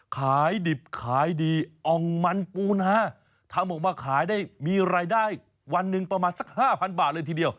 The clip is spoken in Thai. ขายดิบขายดีอ่องมันปูนาทำออกมาขายได้มีรายได้วันหนึ่งประมาณสักห้าพันบาทเลยทีเดียว